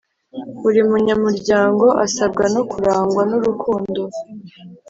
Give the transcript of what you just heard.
Buri munyamuryango asabwa no kurangwa n’urukundo